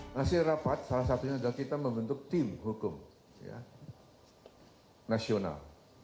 hasil rapat salah satunya adalah kita membentuk tim hukum nasional